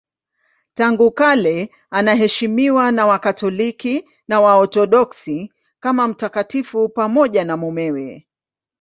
Tangu kale anaheshimiwa na Wakatoliki na Waorthodoksi kama mtakatifu pamoja na mumewe.